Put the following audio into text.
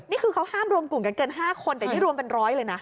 นี่คือเขาห้ามรวมกลุ่มกันเกิน๕คนแต่นี่รวมเป็นร้อยเลยนะ